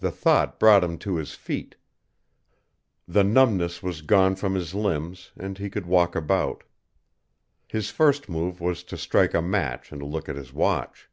The thought brought him to his feet. The numbness was gone from his limbs and he could walk about. His first move was to strike a match and look at his watch.